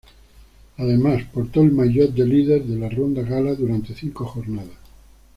Además portó el maillot de líder de la ronda gala durante cinco jornadas.